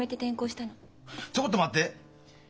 ちょごっと待って！